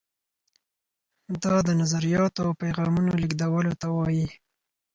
دا د نظریاتو او پیغامونو لیږدولو ته وایي.